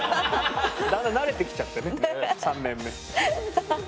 だんだん慣れてきちゃってね３年目。ね。